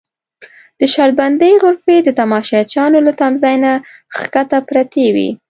د شرط بندۍ غرفې د تماشچیانو له تمځای نه کښته پرتې وې.